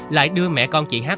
lại đưa mẹ con chị h